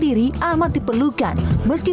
diri amat diperlukan meski